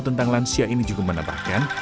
tentang lansia ini juga menambahkan